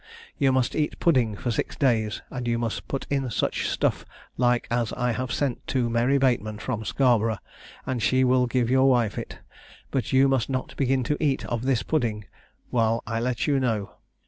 You must eat pudding for six days, and you must put in such like stuff as I have sent to Mary Bateman from Scarbro', and she will give your wife it, but you must not begin to eat of this pudding while I let you know.